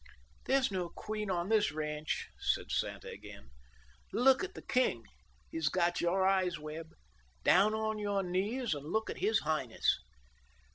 "There's no queen on this ranch," said Santa again. "Look at the king. He's got your eyes, Webb. Down on your knees and look at his Highness."